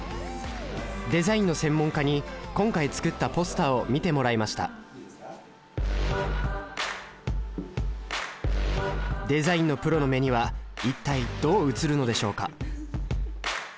デザインの専門家に今回作ったポスターを見てもらいましたデザインのプロの目には一体どう映るのでしょうか？